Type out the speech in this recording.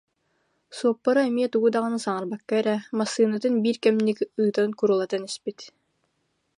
Суоппара эмиэ тугу даҕаны саҥарбакка эрэ, массыынатын биир кэмник ыытан курулатан испит